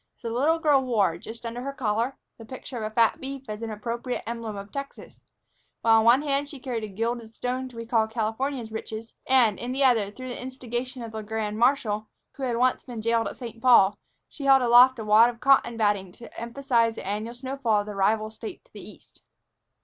So the little girl wore, just under her collar, the picture of a fat beef as an appropriate emblem of Texas, while in one hand she carried a gilded stone to recall California's riches, and, in the other, through the instigation of the grand marshal, who had once been jailed at St. Paul, she held aloft a wad of cotton batting to emphasize the annual snowfall of the rival State to the east.